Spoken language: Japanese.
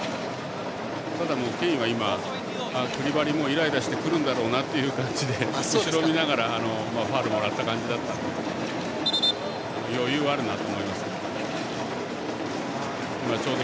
ケインは今クリバリ、イライラして来るんだろうなという感じで後ろ見ながらファウルもらった感じだったので余裕あるなと思いますけど。